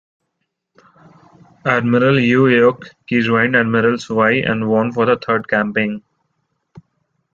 Admiral Yi Eok Ki joined Admirals Yi and Won for the third campaign.